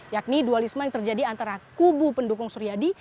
yakni dualisme yang terjadi antara kubu pendukung suryadi